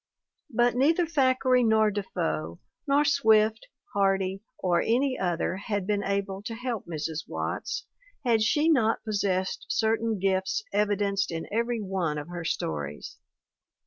But neither Thackeray nor Defoe, nor Swift, Hardy or any other had been able to help Mrs. Watts had she not possessed certain gifts evidenced in every one of her stories.